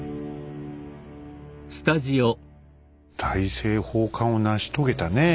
大政奉還を成し遂げたねえ